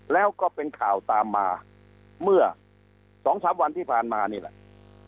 แล้วก็เป็นข่าวตามมาเมื่อ๒๓วันที่ผ่านมานี่แหละ